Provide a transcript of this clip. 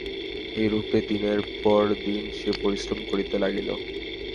এইরূপে দিনের পর দিন সে পরিশ্রম করিতে লাগিল।